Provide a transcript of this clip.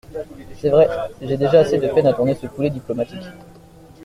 C’est vrai !… j’ai déjà assez de peine à tourner ce poulet diplomatique…